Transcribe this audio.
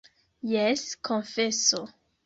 Jes, konfeso!